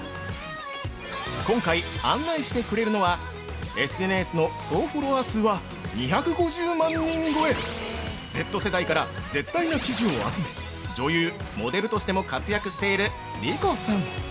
◆今回、案内してくれるのはＳＮＳの総フォロワー数は２５０万人超えＺ世代から絶大な支持を集め女優・モデルとしても活躍している莉子さん。